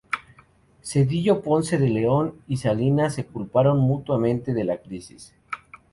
Zedillo Ponce de León y Salinas se culparon mutuamente de la crisis.